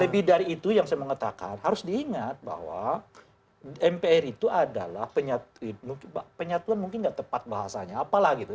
lebih dari itu yang saya mengatakan harus diingat bahwa mpr itu adalah penyatuan mungkin nggak tepat bahasanya apalah gitu